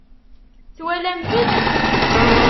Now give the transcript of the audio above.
Twalamt-t?